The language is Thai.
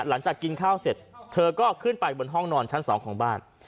หลังจากกินข้าวเสร็จเธอก็ขึ้นไปบนห้องนอนชั้น๒ของบ้าน